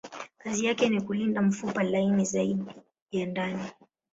Kazi yake ni kulinda mfupa laini zaidi ya ndani.